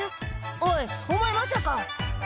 「おいお前まさか」